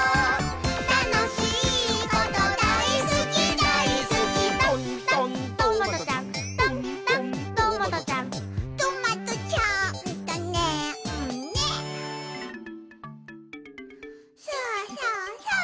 「たのしいことだいすきだいすき」「とんとんトマトちゃん」「とんとんトマトちゃん」「トマトちゃんとねんねスー・スー・スー」